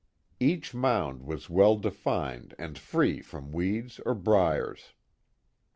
Each mound was well defined and free from weeds or briers.